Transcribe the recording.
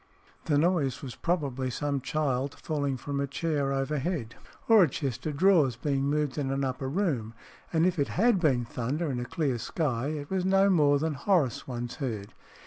The noise was probably some child falling from a chair overhead, or a chest of drawers being moved in an upper room; and if it had been thunder in a clear sky, it was no more than Horace once heard.